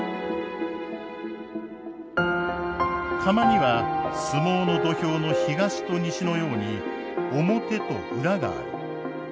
釜には相撲の土俵の東と西のように表と裏がある。